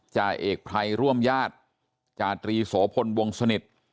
จ่าเอกภัยร่วมญาติจาตรีโสพลวงสนิท